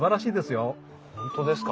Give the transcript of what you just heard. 本当ですか？